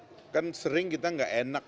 gini ya kan sering kita nggak enak